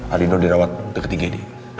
aldino dirawat di ketiga gd